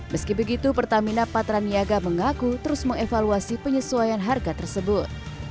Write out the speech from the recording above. meski begitu pertamina patraniaga mengaku terus mengevaluasi penyesuaian harga tersebut